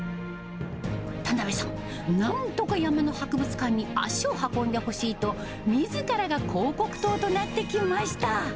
田辺さん、なんとか山の博物館に足を運んでほしいと、みずからが広告塔となってきました。